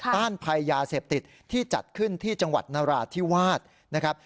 ต้านภัยยาเสพติดที่จัดขึ้นที่จังหวัดนราธิวาสนะครับ